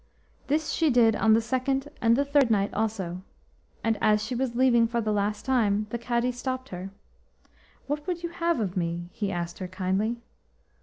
This she did on the second and the third night also, and as she was leaving for the last time the Cadi stopped her. "What would you have of me?" he asked her kindly.